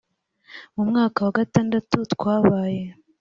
mu mwaka wa gatandatu twabaye